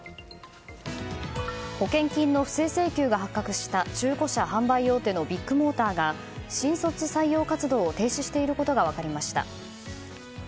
保険金の不正請求が発覚した中古車販売大手のビッグモーターが新卒採用活動を停止していることが分かりました。